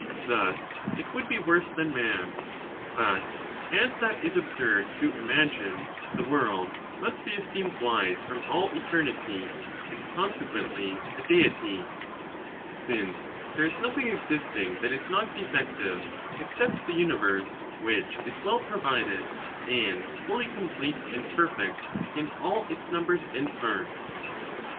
Thus it would be worse than man. But as that is absurd to im agine, the world must bo esteemed wise from all eternity, and consequently a Deity : since there is nothing exist ing that is not defective, except the universe, which is well provided, and fully complete and perfect in all its num bers and parts.